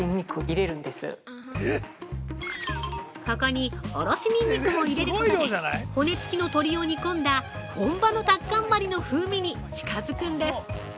ここに、おろしニンニクも入れることで骨付きの鶏を煮込んだ本場のタッカンマリの風味に近づくんです。